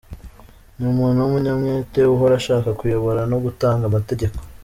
Ni umuntu w’umunyamwete, uhora ashaka kuyobora no gutanga amategeko.